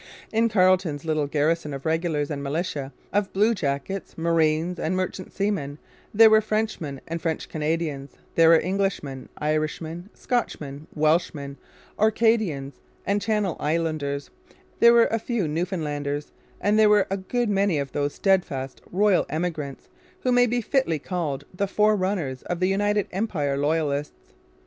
In Carleton's little garrison of regulars and militia, of bluejackets, marines, and merchant seamen, there were Frenchmen and French Canadians, there were Englishmen, Irishmen, Scotsmen, Welshmen, Orcadians, and Channel Islanders, there were a few Newfoundlanders, and there mere a good many of those steadfast Royal Emigrants who may be fitly called the forerunners of the United Empire Loyalists.